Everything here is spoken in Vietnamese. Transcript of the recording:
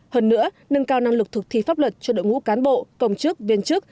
hơn nữa nâng cao năng lực thực thi pháp luật cho đội ngũ cán bộ công chức viên chức